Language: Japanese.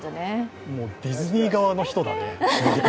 もうディズニー側の人だね。